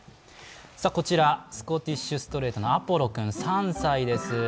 こちら、スコティッシュストレートの「アポロ」３歳です。